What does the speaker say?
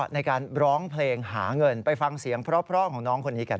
ในการร้องเพลงหาเงินไปฟังเสียงเพราะของน้องคนนี้กัน